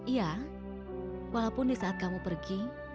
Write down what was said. iya walaupun di saat kamu pergi